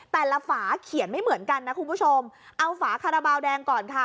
ฝาเขียนไม่เหมือนกันนะคุณผู้ชมเอาฝาคาราบาลแดงก่อนค่ะ